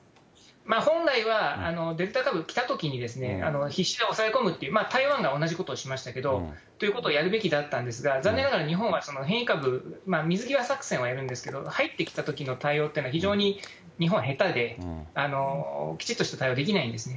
本来はデルタ株来たときにですね、必死で抑え込むっていう、台湾が同じことをしましたけど、ということをやるべきだったんですが、残念ながら日本は変異株、水際作戦はやるんですけど、入ってきたときの対応っていうのは、非常に日本は下手で、きちっとした対応できないんですね。